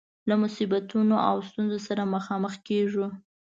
له مصیبتونو او ستونزو سره مخامخ کيږو.